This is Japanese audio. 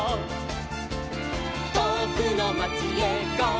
「とおくのまちへゴー！